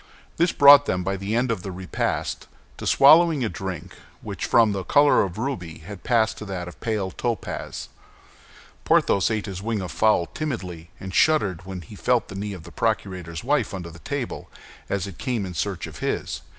This brought them, by the end of the repast, to swallowing a drink which from the color of the ruby had passed to that of a pale topaz. Porthos ate his wing of the fowl timidly, and shuddered when he felt the knee of the procurator's wife under the table, as it came in search of his.